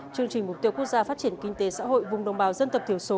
chương trình mục tiêu quốc gia phát triển kinh tế xã hội vùng đồng bào dân tộc thiểu số